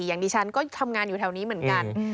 อย่างดิฉันก็ทำงานอยู่แถวนี้เหมือนกัน